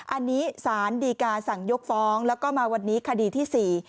อันนี้สารดีกาสั่งยกฟ้องแล้วก็มาวันนี้คดีที่สี่